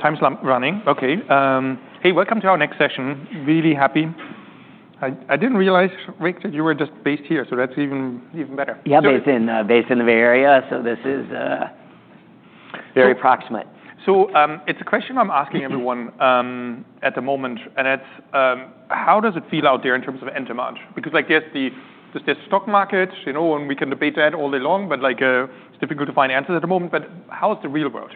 Time's running. Okay. Hey, welcome to our next session. Really happy. I didn't realize, Rick, that you were just based here, so that's even better. Yeah, based in the Bay Area, so this is very proximate. So, it's a question I'm asking everyone at the moment, and it's, how does it feel out there in terms of end demand? Because, like, yes, there's the stock market, you know, and we can debate that all day long, but, like, it's difficult to find answers at the moment. But how's the real world?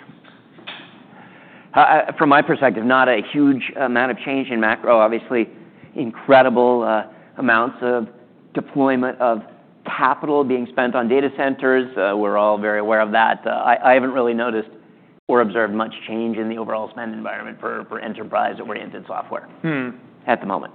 From my perspective, not a huge amount of change in macro. Obviously, incredible amounts of deployment of capital being spent on data centers. We're all very aware of that. I haven't really noticed or observed much change in the overall spend environment for enterprise-oriented software. At the moment.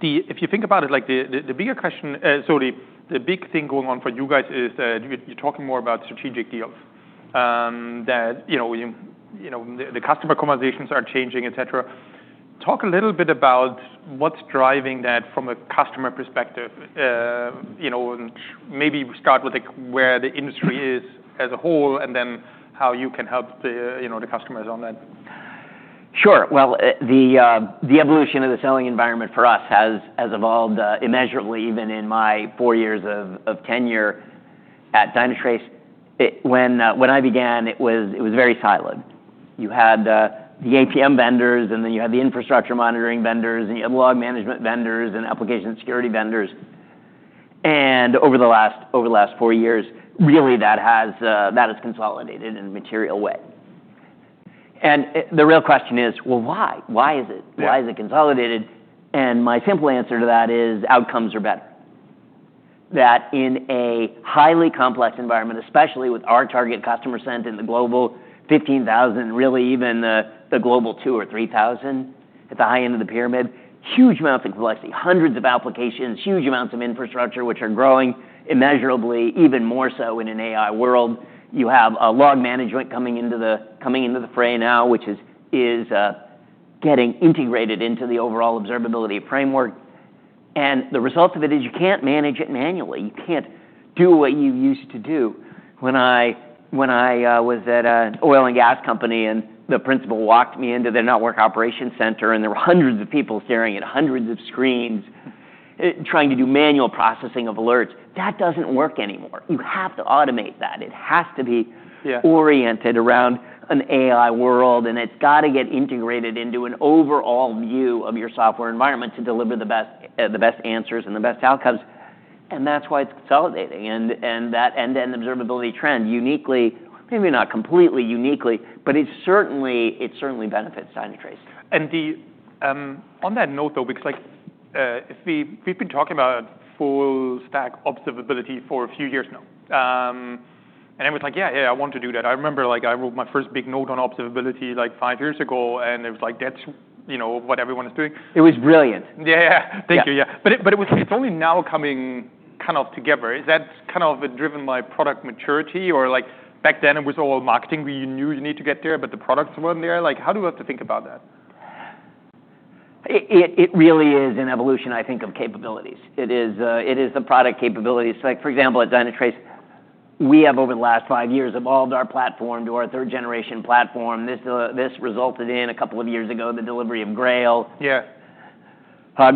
If you think about it, like, the bigger question, sorry, the big thing going on for you guys is that you're talking more about strategic deals, that you know the customer conversations are changing, etc. Talk a little bit about what's driving that from a customer perspective, you know, and maybe start with, like, where the industry is as a whole and then how you can help the, you know, customers on that. Sure, well, the evolution of the selling environment for us has evolved immeasurably, even in my four years of tenure at Dynatrace. When I began, it was very siloed. You had the APM vendors, and then you had the infrastructure monitoring vendors, and you had log management vendors and application security vendors. Over the last four years, really, that has consolidated in a material way. The real question is, well, why? Why is it? Yeah. Why is it consolidated? And my simple answer to that is outcomes are better. That in a highly complex environment, especially with our target customer set in the Global 15,000, really even, the Global 2000 or 3,000 at the high end of the pyramid, huge amounts of complexity, hundreds of applications, huge amounts of infrastructure which are growing immeasurably, even more so in an AI world. You have a log management coming into the fray now, which is getting integrated into the overall observability framework. And the result of it is you can't manage it manually. You can't do what you used to do. When I was at an oil and gas company and the principal walked me into the network operations center and there were hundreds of people staring at hundreds of screens, trying to do manual processing of alerts, that doesn't work anymore. You have to automate that. It has to be. Yeah. Oriented around an AI world, and it's gotta get integrated into an overall view of your software environment to deliver the best answers and the best outcomes. And that's why it's consolidating. And that end-to-end observability trend, uniquely, maybe not completely uniquely, but it certainly benefits Dynatrace. And then, on that note, though, because, like, if we've been talking about full-stack observability for a few years now, and I was like, "Yeah, yeah, I want to do that." I remember, like, I wrote my first big note on observability, like, five years ago, and it was like, "That's, you know, what everyone is doing. It was brilliant. Yeah, yeah. Thank you. Yeah. But it was, it's only now coming kind of together. Is that kind of driven by product maturity or, like, back then it was all marketing where you knew you need to get there, but the products weren't there? Like, how do you have to think about that? It really is an evolution, I think, of capabilities. It is the product capabilities. Like, for example, at Dynatrace, we have, over the last five years, evolved our platform to our third-generation platform. This resulted in, a couple of years ago, the delivery of Grail. Yeah.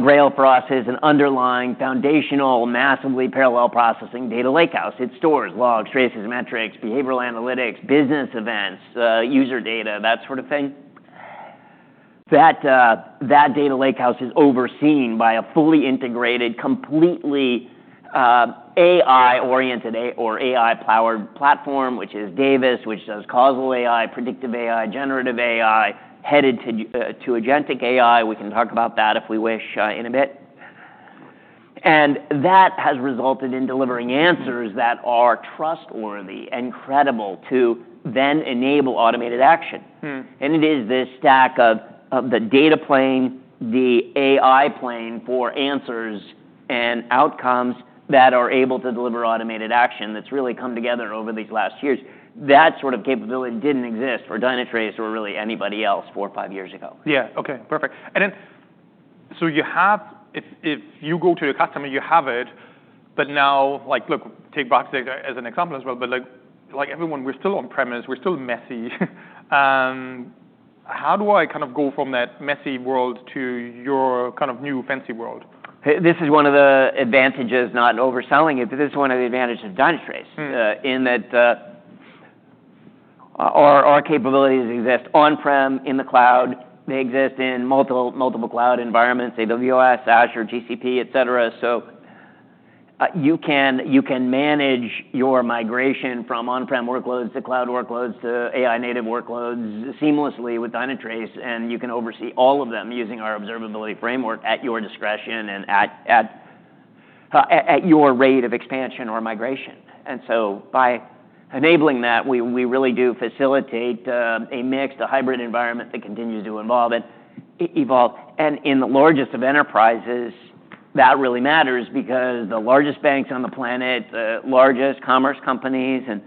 Grail for us is an underlying foundational, massively parallel processing data lakehouse. It stores logs, traces, metrics, behavioral analytics, business events, user data, that sort of thing. That data lakehouse is overseen by a fully integrated, completely AI-oriented or AI-powered platform, which is Davis, which does causal AI, predictive AI, generative AI, headed to agentic AI. We can talk about that if we wish, in a bit, and that has resulted in delivering answers that are trustworthy and credible to then enable automated action, and it is this stack of the data plane, the AI plane for answers and outcomes that are able to deliver automated action that's really come together over these last years. That sort of capability didn't exist for Dynatrace or really anybody else four or five years ago. Yeah. Okay. Perfect. And then so you have, if you go to your customer, you have it, but now, like, look, take Barclays as an example as well, but, like everyone, we're still on-premise. We're still messy. How do I kind of go from that messy world to your kind of new fancy world? Hey, this is one of the advantages, not in overselling it, but this is one of the advantages of Dynatrace. In that, our capabilities exist on-prem, in the cloud. They exist in multiple cloud environments, AWS, Azure, GCP, etc., so you can manage your migration from on-prem workloads to cloud workloads to AI-native workloads seamlessly with Dynatrace, and you can oversee all of them using our observability framework at your discretion and at your rate of expansion or migration, and so by enabling that, we really do facilitate a mixed hybrid environment that continues to evolve, and in the largest of enterprises, that really matters because the largest banks on the planet, the largest commerce companies, and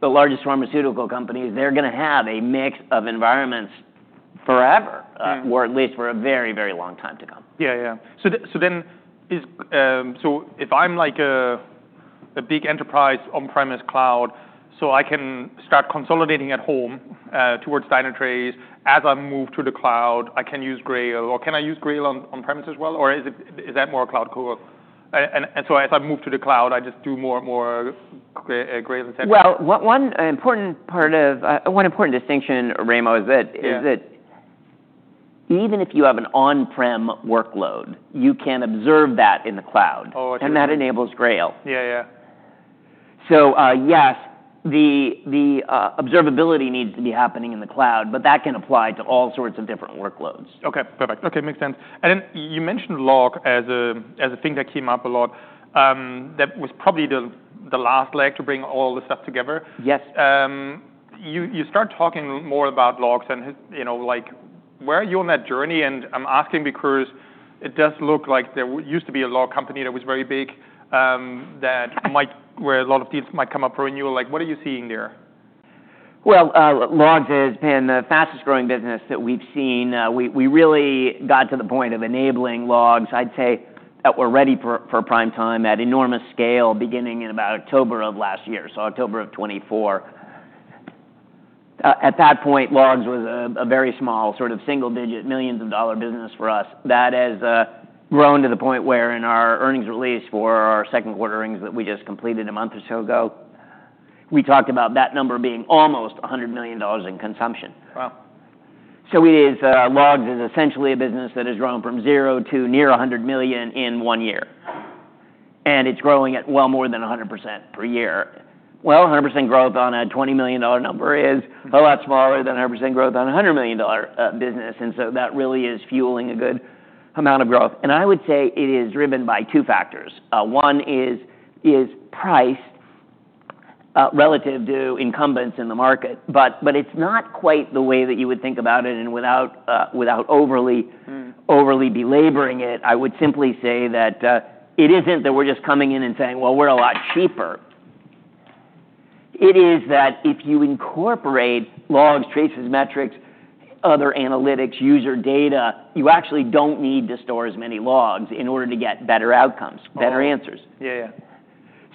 the largest pharmaceutical companies, they're gonna have a mix of environments forever. Yeah. or at least for a very, very long time to come. Yeah, yeah. So then is, so if I'm like a big enterprise on-premise cloud, so I can start consolidating at home towards Dynatrace, as I move to the cloud, I can use Grail, or can I use Grail on-premises as well? Or is that more cloud-core? And so as I move to the cloud, I just do more and more Grail and such? One important distinction, Raimo, is that. Yeah. Is that even if you have an on-prem workload, you can observe that in the cloud? Oh, I see. That enables Grail. Yeah, yeah. Yes, the observability needs to be happening in the cloud, but that can apply to all sorts of different workloads. Okay. Perfect. Okay. Makes sense, and then you mentioned log as a thing that came up a lot. That was probably the last leg to bring all the stuff together. Yes. You start talking more about logs and, you know, like, where are you on that journey? And I'm asking because it does look like there used to be a log company that was very big, that might where a lot of deals might come up for renewal. Like, what are you seeing there? Logs has been the fastest-growing business that we've seen. We really got to the point of enabling logs, I'd say, that were ready for prime time at enormous scale beginning in about October of last year, so October of 2024. At that point, logs was a very small sort of single-digit millions-of-dollar business for us. That has grown to the point where in our earnings release for our second quarter earnings that we just completed a month or so ago, we talked about that number being almost $100 million in consumption. Wow. So it is, logs is essentially a business that has grown from zero to near $100 million in one year. And it's growing at well more than 100% per year. Well, 100% growth on a $20 million number is a lot smaller than 100% growth on a $100 million business. And so that really is fueling a good amount of growth. And I would say it is driven by two factors. One is priced relative to incumbents in the market. But it's not quite the way that you would think about it. And without overly belaboring it, I would simply say that it isn't that we're just coming in and saying, "Well, we're a lot cheaper." It is that if you incorporate logs, traces, metrics, other analytics, user data, you actually don't need to store as many logs in order to get better outcomes, better answers. Oh, yeah, yeah.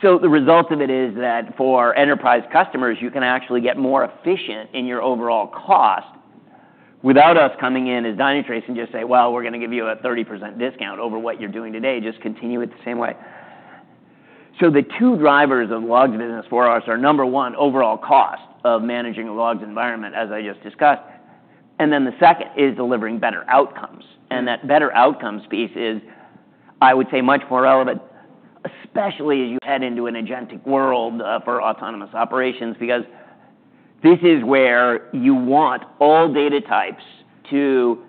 So the result of it is that for enterprise customers, you can actually get more efficient in your overall cost without us coming in as Dynatrace and just say, "Well, we're gonna give you a 30% discount over what you're doing today. Just continue it the same way." So the two drivers of logs business for us are, number one, overall cost of managing a logs environment, as I just discussed. And then the second is delivering better outcomes. And that better outcomes piece is, I would say, much more relevant, especially as you head into an agentic world, for autonomous operations, because this is where you want all data types to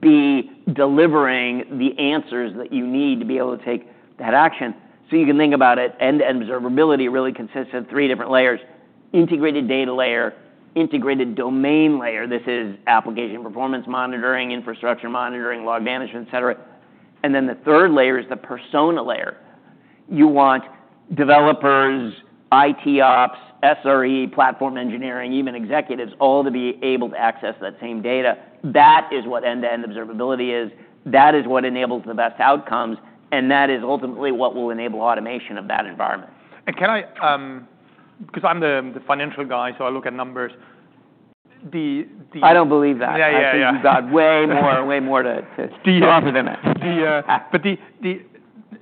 be delivering the answers that you need to be able to take that action. So you can think about it, end-to-end observability really consists of three different layers: integrated data layer, integrated domain layer. This is application performance monitoring, infrastructure monitoring, log management, etc., and then the third layer is the persona layer. You want developers, IT Ops, SRE, platform engineering, even executives, all to be able to access that same data. That is what end-to-end observability is. That is what enables the best outcomes, and that is ultimately what will enable automation of that environment. And can I, because I'm the financial guy, so I look at numbers. I don't believe that. Yeah, yeah. I think you've got way more to. The. A lot of it in there. But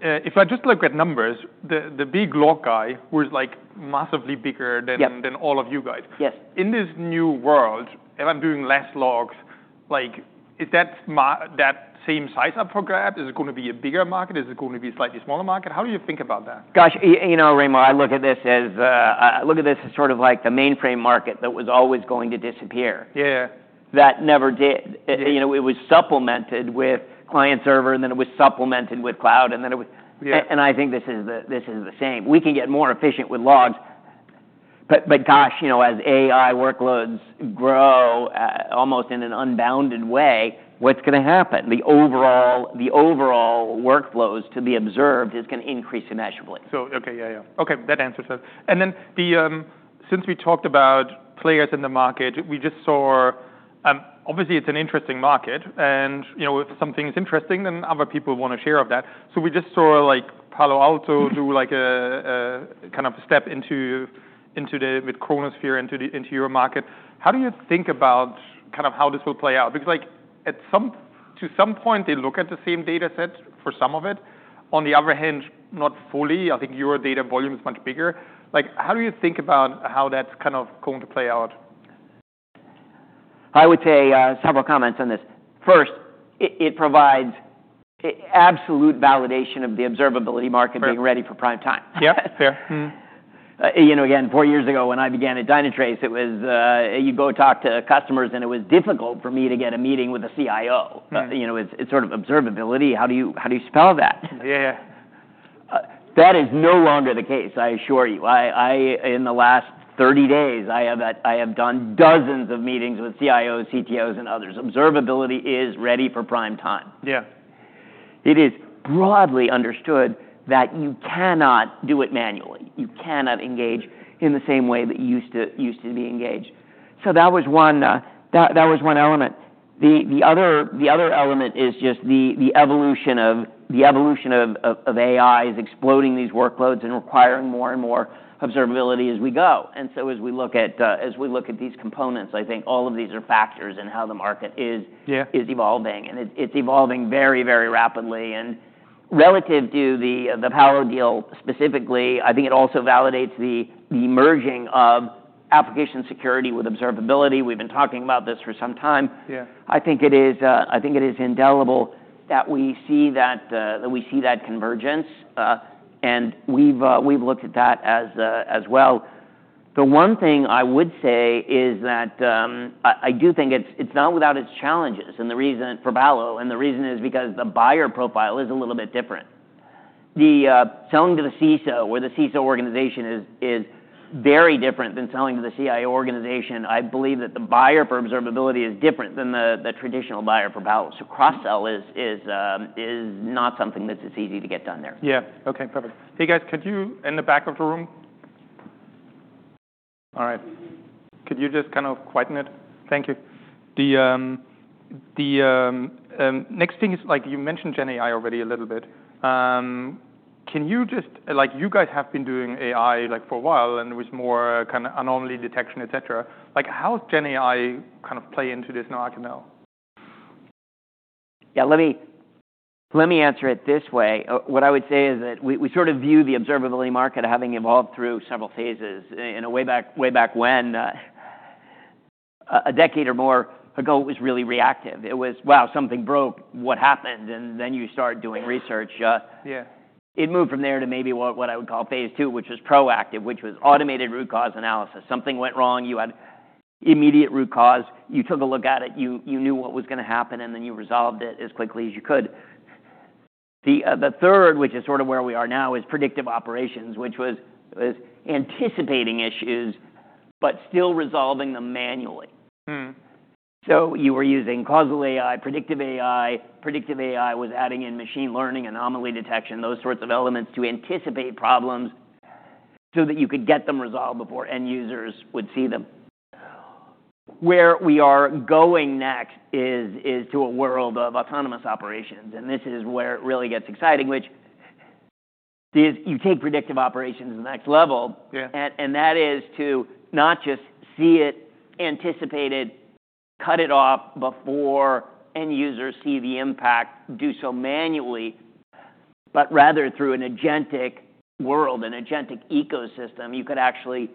if I just look at numbers, the big log guy who is like massively bigger than. Yes. Thank all of you guys. Yes. In this new world, if I'm doing less logs, like, is the market the same size up for grabs? Is it gonna be a bigger market? Is it gonna be a slightly smaller market? How do you think about that? Gosh, you know, Raimo, I look at this as sort of like the mainframe market that was always going to disappear. Yeah, yeah. That never did. Yeah. You know, it was supplemented with client-server, and then it was supplemented with cloud, and then it was. Yeah. And I think this is the same. We can get more efficient with logs. But gosh, you know, as AI workloads grow, almost in an unbounded way, what's gonna happen? The overall workflows to be observed is gonna increase immeasurably. So, okay. Yeah, yeah. Okay. That answers that. And then, since we talked about players in the market, we just saw, obviously, it's an interesting market, and, you know, if something's interesting, then other people wanna share of that. So we just saw, like, Palo Alto do, like, a kind of a step into the with Chronosphere into your market. How do you think about kind of how this will play out? Because, like, at some to some point, they look at the same data set for some of it. On the other hand, not fully. I think your data volume is much bigger. Like, how do you think about how that's kind of going to play out? I would say, several comments on this. First, it provides absolute validation of the observability market. Right. Being ready for prime time. Yeah, yeah. You know, again, four years ago when I began at Dynatrace, it was, you go talk to customers, and it was difficult for me to get a meeting with a CIO. Yeah. You know, it's sort of observability. How do you spell that? Yeah, yeah. that is no longer the case, I assure you. In the last 30 days, I have done dozens of meetings with CIOs, CTOs, and others. Observability is ready for prime time. Yeah. It is broadly understood that you cannot do it manually. You cannot engage in the same way that you used to be engaged. So that was one element. The other element is just the evolution of AI is exploding these workloads and requiring more and more observability as we go. And so as we look at these components, I think all of these are factors in how the market is. Yeah. Is evolving. And it's evolving very, very rapidly. And relative to the Palo deal specifically, I think it also validates the merging of application security with observability. We've been talking about this for some time. Yeah. I think it is inevitable that we see that convergence, and we've looked at that as well. The one thing I would say is that I do think it's not without its challenges. The reason for Palo is because the buyer profile is a little bit different. Selling to the CISO or the CISO organization is very different than selling to the CIO organization. I believe that the buyer for observability is different than the traditional buyer for Palo. So cross-sell is not something that's as easy to get done there. Yeah. Okay. Perfect. Hey, guys, could you in the back of the room? All right. Could you just kind of quieten it? Thank you. The next thing is, like, you mentioned GenAI already a little bit. Can you just, like, you guys have been doing AI, like, for a while, and there was more kind of anomaly detection, etc. Like, how's GenAI kind of play into this internally? Yeah. Let me answer it this way. What I would say is that we sort of view the observability market having evolved through several phases. In a way back, way back when, a decade or more ago, it was really reactive. It was, "Wow, something broke. What happened? And then you start doing research. Yeah. It moved from there to maybe what I would call phase two, which was proactive, which was automated root cause analysis. Something went wrong. You had immediate root cause. You took a look at it. You knew what was gonna happen, and then you resolved it as quickly as you could. The third, which is sort of where we are now, is predictive operations, which was anticipating issues but still resolving them manually. So you were using causal AI, predictive AI. Predictive AI was adding in machine learning, anomaly detection, those sorts of elements to anticipate problems so that you could get them resolved before end users would see them. Where we are going next is to a world of autonomous operations, and this is where it really gets exciting, which is you take predictive operations to the next level. Yeah. That is to not just see it, anticipate it, cut it off before end users see the impact, do so manually, but rather through an agentic world, an agentic ecosystem. You could actually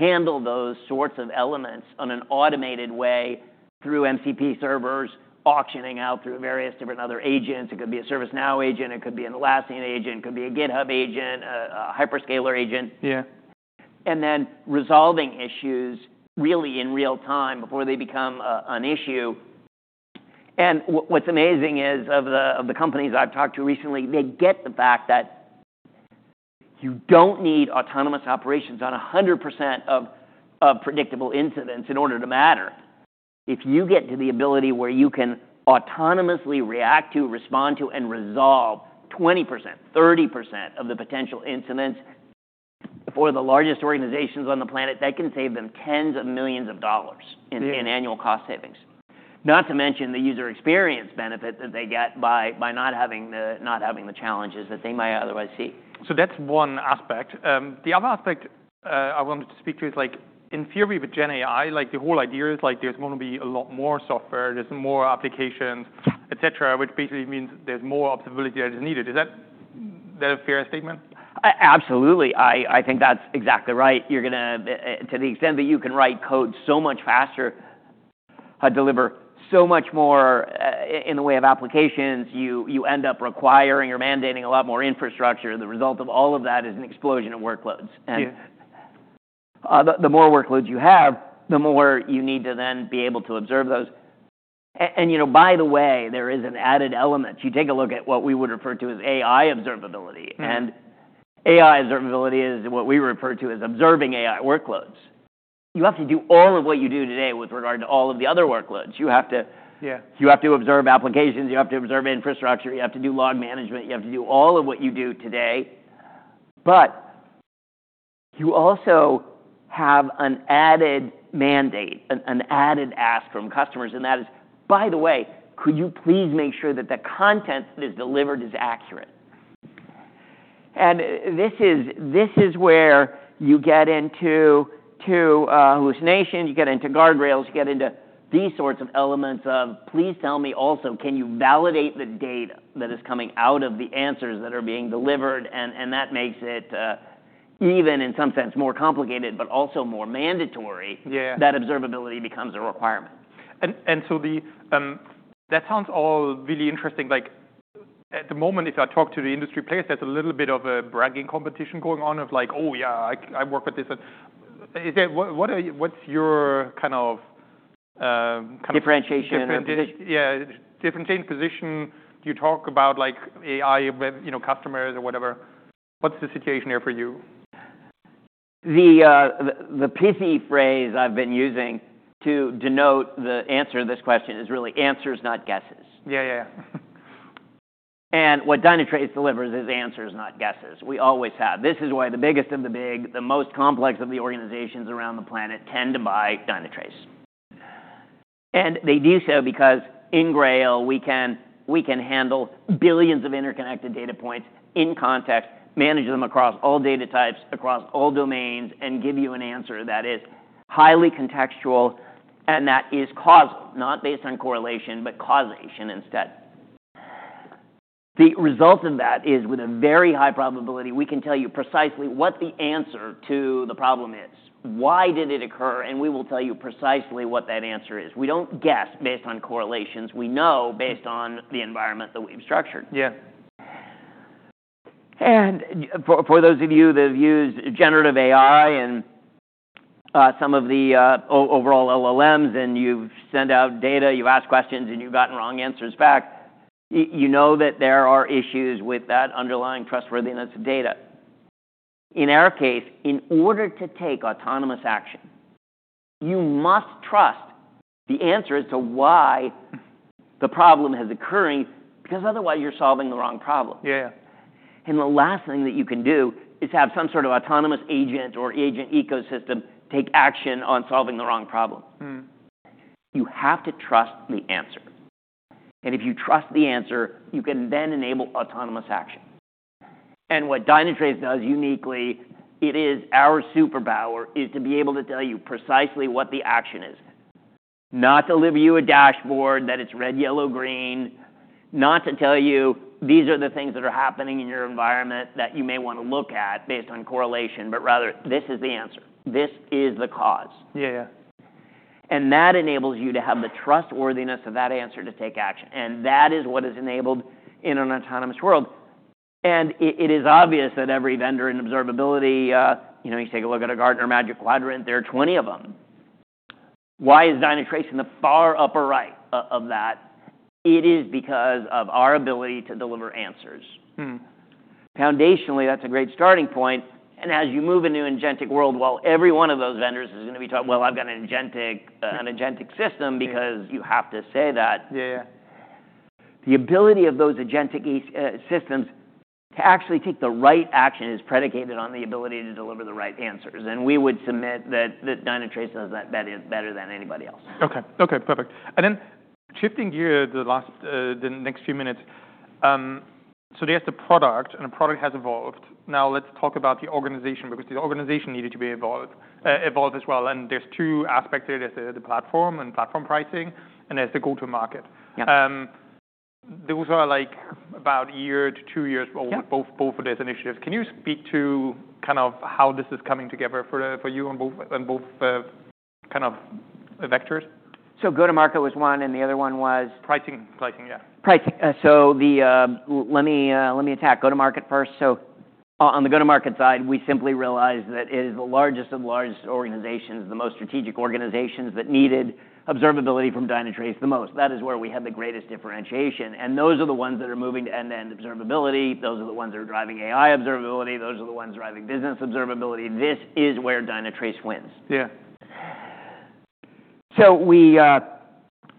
handle those sorts of elements on an automated way through MCP servers, auctioning out through various different other agents. It could be a ServiceNow agent. It could be an Atlassian agent. It could be a GitHub agent, a hyperscaler agent. Yeah. And then resolving issues really in real time before they become an issue. What's amazing is of the companies I've talked to recently, they get the fact that you don't need autonomous operations on 100% of predictable incidents in order to matter. If you get to the ability where you can autonomously react to, respond to, and resolve 20%, 30% of the potential incidents for the largest organizations on the planet, that can save them tens of millions of dollars in annual cost savings. Yeah. Not to mention the user experience benefit that they get by not having the challenges that they might otherwise see. So that's one aspect. The other aspect I wanted to speak to is, like, in theory with GenAI, like, the whole idea is, like, there's gonna be a lot more software, there's more applications, etc., which basically means there's more observability that is needed. Is that a fair statement? Absolutely. I think that's exactly right. You're gonna, to the extent that you can write code so much faster, deliver so much more, in the way of applications, you end up requiring or mandating a lot more infrastructure. The result of all of that is an explosion of workloads. Yeah. The more workloads you have, the more you need to then be able to observe those. You know, by the way, there is an added element. You take a look at what we would refer to as AI observability. Mm-hmm. And AI observability is what we refer to as observing AI workloads. You have to do all of what you do today with regard to all of the other workloads. You have to. Yeah. You have to observe applications. You have to observe infrastructure. You have to do log management. You have to do all of what you do today. But you also have an added mandate, an added ask from customers, and that is, by the way, could you please make sure that the content that is delivered is accurate? And this is where you get into hallucinations. You get into guardrails. You get into these sorts of elements of, please tell me also, can you validate the data that is coming out of the answers that are being delivered? And that makes it even in some sense more complicated, but also more mandatory. Yeah. That observability becomes a requirement. That sounds all really interesting. Like, at the moment, if I talk to the industry players, there's a little bit of a bragging competition going on of like, "Oh, yeah, I work with this." What are you? What's your kind of kind of. Differentiation or position? Yeah. Differentiating position. Do you talk about, like, AI with, you know, customers or whatever? What's the situation here for you? The pithy phrase I've been using to denote the answer to this question is really, "Answers, not guesses. Yeah, yeah, yeah. What Dynatrace delivers is answers, not guesses. We always have. This is why the biggest of the big, the most complex of the organizations around the planet tend to buy Dynatrace. And they do so because in Grail, we can handle billions of interconnected data points in context, manage them across all data types, across all domains, and give you an answer that is highly contextual, and that is causal, not based on correlation, but causation instead. The result of that is, with a very high probability, we can tell you precisely what the answer to the problem is. Why did it occur? And we will tell you precisely what that answer is. We don't guess based on correlations. We know based on the environment that we've structured. Yeah. And for those of you that have used generative AI and some of the overall LLMs, and you've sent out data, you've asked questions, and you've gotten wrong answers back, you know that there are issues with that underlying trustworthiness of data. In our case, in order to take autonomous action, you must trust the answers to why the problem is occurring because otherwise you're solving the wrong problem. Yeah, yeah. And the last thing that you can do is have some sort of autonomous agent or agent ecosystem take action on solving the wrong problem. You have to trust the answer. And if you trust the answer, you can then enable autonomous action. And what Dynatrace does uniquely, it is our superpower, is to be able to tell you precisely what the action is. Not to leave you a dashboard that's red, yellow, green. Not to tell you, "These are the things that are happening in your environment that you may wanna look at based on correlation," but rather, "This is the answer. This is the cause. Yeah, yeah. And that enables you to have the trustworthiness of that answer to take action. And that is what is enabled in an autonomous world. And it is obvious that every vendor in observability, you know, you take a look at a Gartner Magic Quadrant, there are 20 of them. Why is Dynatrace in the far upper right of that? It is because of our ability to deliver answers. Foundationally, that's a great starting point. And as you move into an agentic world, well, every one of those vendors is gonna be talking, "Well, I've got an agentic system," because you have to say that. Yeah, yeah. The ability of those agentic ecosystems to actually take the right action is predicated on the ability to deliver the right answers. And we would submit that Dynatrace does that better than anybody else. Okay. Okay. Perfect. And then shifting gear the next few minutes, so there's the product, and the product has evolved. Now let's talk about the organization because the organization needed to be evolved as well. And there's two aspects here. There's the platform and platform pricing, and there's the go-to-market. Yeah. Those are like about a year to two years both. Yeah. Both of these initiatives. Can you speak to kind of how this is coming together for you on both kind of vectors? So go-to-market was one, and the other one was. Pricing. Pricing. Yeah. Pricing. Let me attack go-to-market first. On the go-to-market side, we simply realized that it is the largest of the largest organizations, the most strategic organizations that needed observability from Dynatrace the most. That is where we had the greatest differentiation. Those are the ones that are moving to end-to-end observability. Those are the ones that are driving AI observability. Those are the ones driving business observability. This is where Dynatrace wins. Yeah.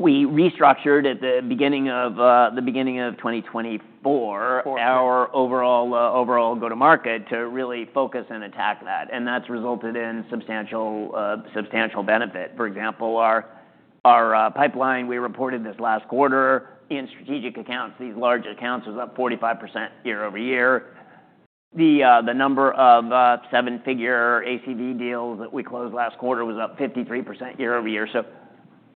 We restructured at the beginning of 2024. 2024. Our overall go-to-market to really focus and attack that. And that's resulted in substantial benefit. For example, our pipeline we reported this last quarter in strategic accounts, these large accounts, was up 45% year over year. The number of seven-figure ACV deals that we closed last quarter was up 53% year over year. So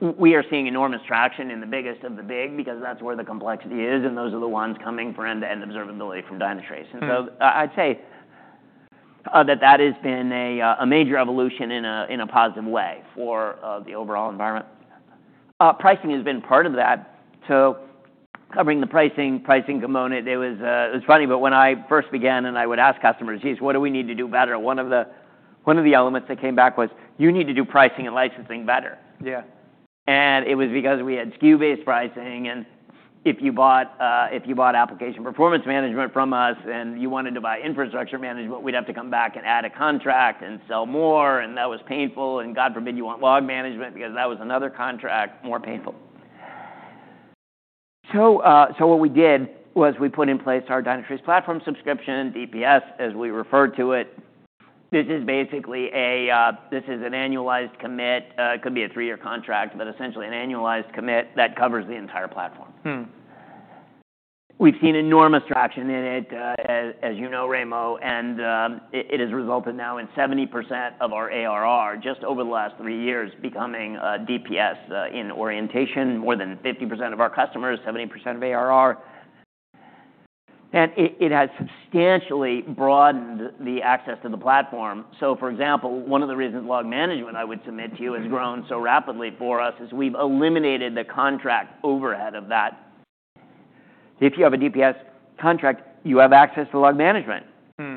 we are seeing enormous traction in the biggest of the big because that's where the complexity is, and those are the ones coming for end-to-end observability from Dynatrace. Mm-hmm. And so I'd say that has been a major evolution in a positive way for the overall environment. Pricing has been part of that. So covering the pricing component, it was funny, but when I first began and I would ask customers, "Jeez, what do we need to do better?" one of the elements that came back was, "You need to do pricing and licensing better. Yeah. And it was because we had SKU-based pricing. And if you bought application performance management from us and you wanted to buy infrastructure management, we'd have to come back and add a contract and sell more. And that was painful. And God forbid you want log management because that was another contract, more painful. So what we did was we put in place our Dynatrace Platform Subscription, DPS, as we refer to it. This is basically an annualized commit. It could be a three-year contract, but essentially an annualized commit that covers the entire platform. We've seen enormous traction in it, as you know, Raimo. And it has resulted now in 70% of our ARR just over the last three years becoming DPS in orientation, more than 50% of our customers, 70% of ARR. And it has substantially broadened the access to the platform. So, for example, one of the reasons log management I would submit to you has grown so rapidly for us is we've eliminated the contract overhead of that. If you have a DPS contract, you have access to log management.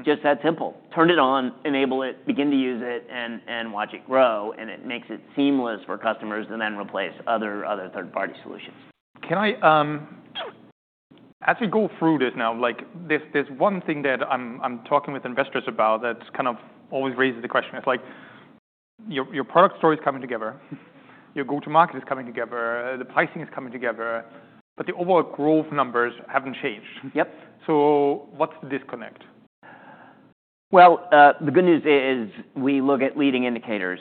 Just that simple. Turn it on, enable it, begin to use it, and watch it grow. And it makes it seamless for customers to then replace other third-party solutions. Can I, as we go through this now, like, there's one thing that I'm talking with investors about that's kind of always raises the question. It's like your product story is coming together. Your go-to-market is coming together. The pricing is coming together. But the overall growth numbers haven't changed. Yep. What's the disconnect? The good news is we look at leading indicators.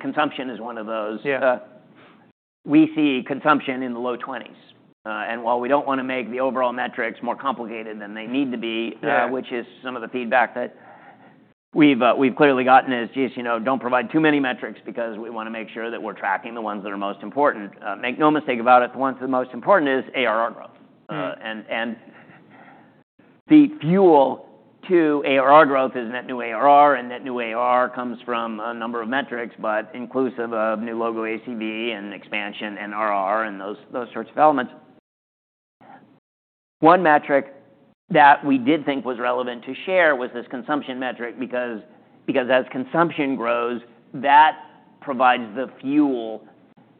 Consumption is one of those. Yeah. We see consumption in the low 20s, and while we don't wanna make the overall metrics more complicated than they need to be. Yeah. which is some of the feedback that we've clearly gotten is, "Jeez, you know, don't provide too many metrics because we wanna make sure that we're tracking the ones that are most important." Make no mistake about it, the ones that are most important is ARR growth. Mm-hmm. The fuel to ARR growth is net new ARR. Net new ARR comes from a number of metrics, but inclusive of new logo ACV and expansion and RR and those sorts of elements. One metric that we did think was relevant to share was this consumption metric because as consumption grows, that provides the fuel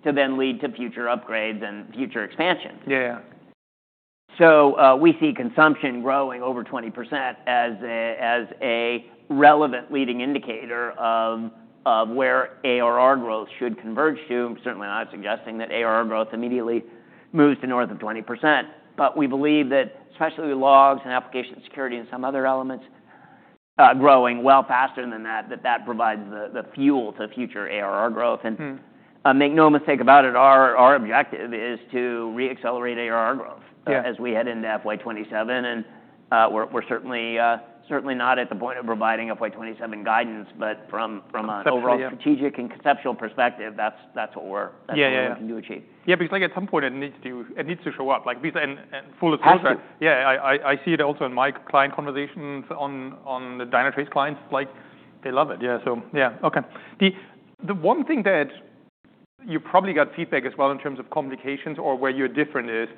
to then lead to future upgrades and future expansion. Yeah, yeah. So, we see consumption growing over 20% as a relevant leading indicator of where ARR growth should converge to. Certainly, I'm not suggesting that ARR growth immediately moves to north of 20%. But we believe that especially logs and application security and some other elements, growing well faster than that, provides the fuel to future ARR growth. And make no mistake about it, our objective is to re-accelerate ARR growth. Yeah. As we head into FY 2027. We're certainly not at the point of providing FY 2027 guidance, but from a. That's the idea. Overall strategic and conceptual perspective, that's what we're. Yeah, yeah, yeah. That's what we're looking to achieve. Yeah. Because like at some point, it needs to show up. Like these and full disclosure. Absolutely. Yeah. I see it also in my client conversations on the Dynatrace clients. Like, they love it. Yeah. So yeah. Okay. The one thing that you probably got feedback as well in terms of complications or where you're different is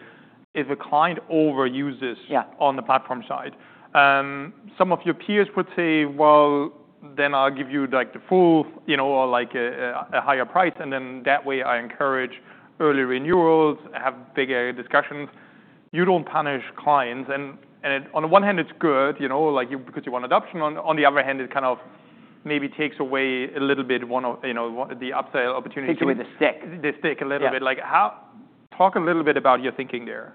if a client overuses. Yeah. On the platform side, some of your peers would say, "Well, then I'll give you like the full, you know, or like a higher price. And then that way I encourage early renewals, have bigger discussions." You don't punish clients. And on the one hand, it's good, you know, like you because you want adoption. On the other hand, it kind of maybe takes away a little bit one of, you know, the upsell opportunity. Takes away the stick. Let's stick a little bit. Like, talk a little bit about your thinking there.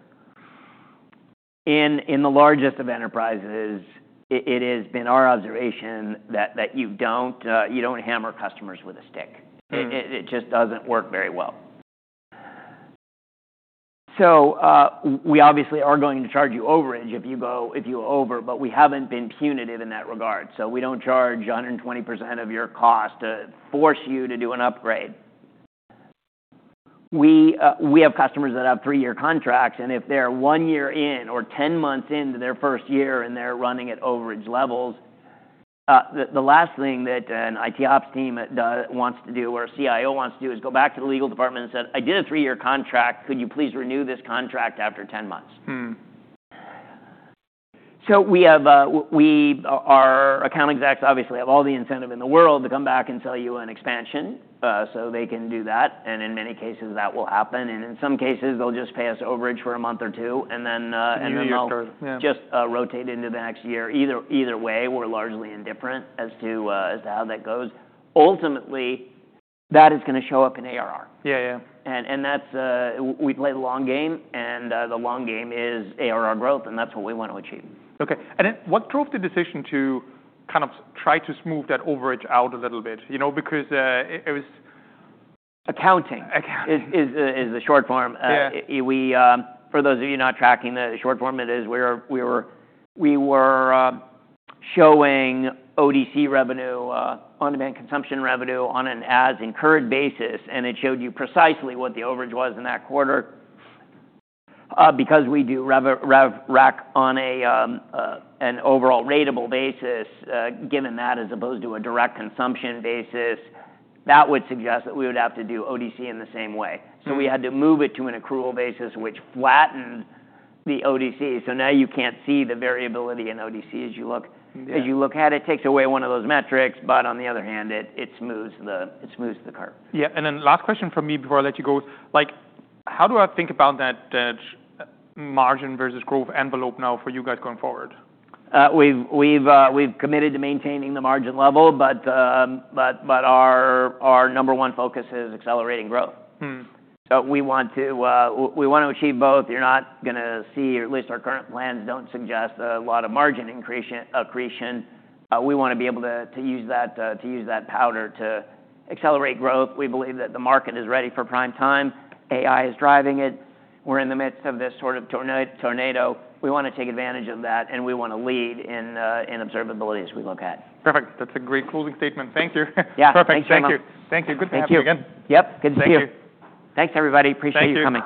In the largest of enterprises, it has been our observation that you don't hammer customers with a stick. It just doesn't work very well, so we obviously are going to charge you overage if you go over, but we haven't been punitive in that regard, so we don't charge 120% of your cost to force you to do an upgrade. We have customers that have three-year contracts, and if they're one year in or 10 months into their first year and they're running at overage levels, the last thing that an IT Ops team do wants to do or a CIO wants to do is go back to the legal department and say, "I did a three-year contract. Could you please renew this contract after 10 months?" So we have our account execs obviously have all the incentive in the world to come back and sell you an expansion, so they can do that. And in many cases, that will happen. And in some cases, they'll just pay us overage for a month or two. And then they'll. And then you just rotate into the next year. Yeah. Either way, we're largely indifferent as to how that goes. Ultimately, that is gonna show up in ARR. Yeah, yeah. And that's. We play the long game. And the long game is ARR growth. And that's what we wanna achieve. Okay. And then what drove the decision to kind of try to smooth that overage out a little bit, you know, because it was. Accounting. Accounting. Is the short form. Yeah. We, for those of you not tracking the short form, it is we were showing ODC revenue, on-demand consumption revenue on an as-incurred basis. And it showed you precisely what the overage was in that quarter. Because we do Rev Rec ratable on an overall ratable basis, given that as opposed to a direct consumption basis, that would suggest that we would have to do ODC in the same way. So we had to move it to an accrual basis, which flattened the ODC. So now you can't see the variability in ODC as you look. Yeah. As you look at it, it takes away one of those metrics. But on the other hand, it smooths the curve. Yeah. And then last question from me before I let you go. Like, how do I think about that, that margin versus growth envelope now for you guys going forward? We've committed to maintaining the margin level. But our number one focus is accelerating growth. So we wanna achieve both. You're not gonna see, or at least our current plans don't suggest a lot of margin expansion, accretion. We wanna be able to use that powder to accelerate growth. We believe that the market is ready for prime time. AI is driving it. We're in the midst of this sort of tornado. We wanna take advantage of that. And we wanna lead in observability as we look at. Perfect. That's a great closing statement. Thank you. Yeah. Perfect. Thank you. Thank you. Thank you. Good to have you again. Thank you. Yep. Good to see you. Thank you. Thanks, everybody. Appreciate you coming. Thank you.